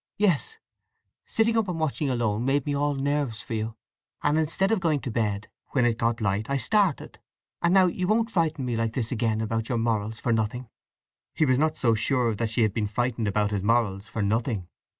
"Yes. Sitting up watching alone made me all nerves for you, and instead of going to bed when it got light I started. And now you won't frighten me like this again about your morals for nothing?" He was not so sure that she had been frightened about his morals for nothing.